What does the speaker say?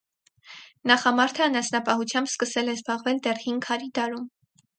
Նախամարդը անասնապահությամբ սկսել է զբաղվել դեռ հին քարի դարում։